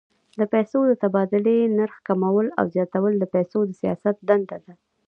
د پیسو د تبادلې نرخ کمول او زیاتول د پیسو د سیاست دنده ده.